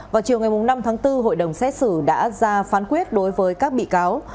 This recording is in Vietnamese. vào chiều ngày năm tháng bốn hội đồng xét xử đã ra phán quyết đối với các bị cáo